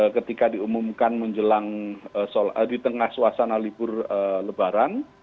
ketika diumumkan menjelang di tengah suasana libur lebaran